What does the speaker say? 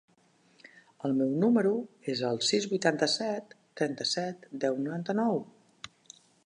El meu número es el sis, vuitanta-set, trenta-set, deu, noranta-nou.